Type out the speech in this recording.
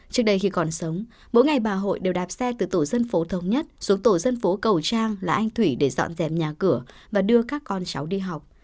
trước đây khi còn sống mỗi ngày bà hội đều đạp xe từ tổ dân phố thống nhất xuống tổ dân phố cầu trang là anh thủy để dọn dẹp nhà cửa và đưa các con cháu đi học